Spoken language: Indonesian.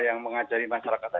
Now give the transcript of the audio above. yang mengajari masyarakat tadi